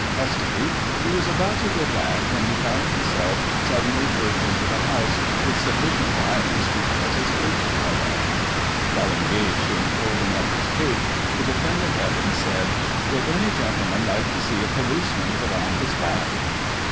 35 custody, he was about to go back, when he found himself suddenly pushed into the house, with sufficient violence to cause his cape to fall off. While engaged in folding up his cape, the defendant Evans said, "Will any gentleman like to see a policeman put on his back